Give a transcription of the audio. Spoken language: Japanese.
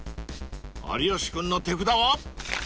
［有吉君の手札は？］